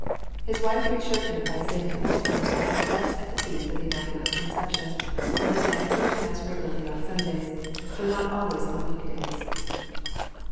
His wife reassured him by saying that Wolfgang had confessed at the feast of the Immaculate Conception, and that they had heard mass regularly on Sundays, though not always on week days.